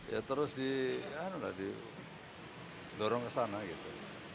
ya terus di dorong ke sana gitu